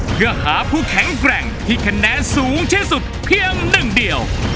เพื่อหาผู้แข็งแกร่งที่คะแนนสูงที่สุดเพียงหนึ่งเดียว